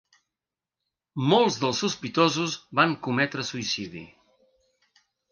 Molts dels sospitosos van cometre suïcidi.